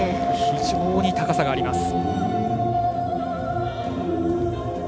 非常に高さがあります。